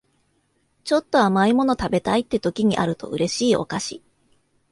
ちょっと甘い物食べたいって時にあると嬉しいお菓子